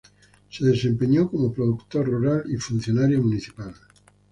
Se desempeñó como productor rural y funcionario municipal.